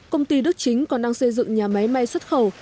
công ty đức chính còn đang xây dựng nhà máy may xuất khẩu